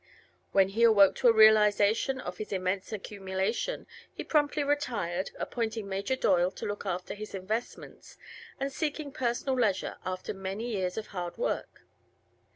When he awoke to a realization of his immense accumulation he promptly retired, appointing Major Doyle to look after his investments and seeking personal leisure after many years of hard work.